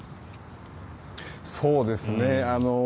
そうですね。